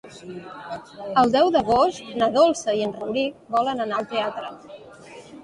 El deu d'agost na Dolça i en Rauric volen anar al teatre.